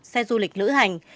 xe du lịch lữ hành